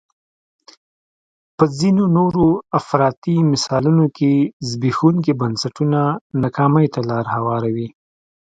په ځینو نورو افراطي مثالونو کې زبېښونکي بنسټونه ناکامۍ ته لار هواروي.